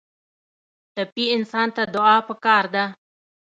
ټپي انسان ته دعا پکار ده.